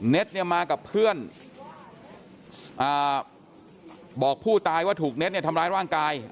เนี่ยมากับเพื่อนบอกผู้ตายว่าถูกเน็ตเนี่ยทำร้ายร่างกาย